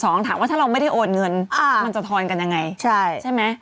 ถามว่าถ้าเราไม่ได้โอนเงินมันจะทอนกันยังไงใช่ไหม